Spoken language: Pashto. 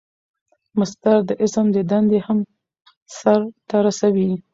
مصدر د اسم دندې هم سر ته رسوي.